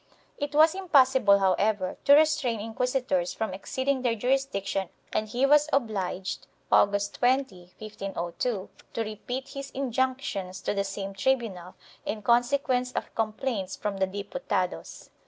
2 It was impossible however to restrain inquisitors from exceeding their jurisdiction and he was obliged, August 20, 1502, to repeat his injunctions to the same tribunal, in conse quence of complaints from the Diputados.